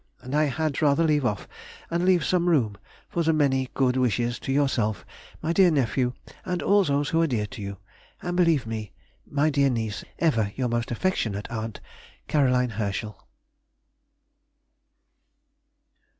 and I had rather leave off and leave some room for the many good wishes to yourself, my dear nephew, and all those who are dear to you, and believe me, My dear niece, Ever your most affectionate aunt, CAROLINE HERSCHEL.